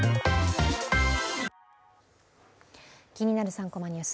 ３コマニュース」。